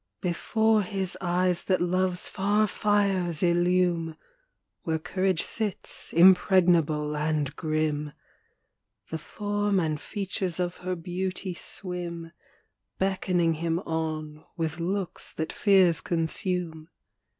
Before his eyes that love's far fires illume Where courage sits, impregnable and grim The form and features of her beauty swim, Beckoning him on with looks that fears consume.